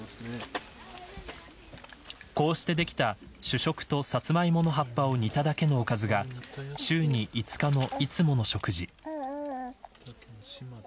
こうしてできた主食とサツマイモの葉っぱを煮ただけのおかずが週に５日のいつもの食事。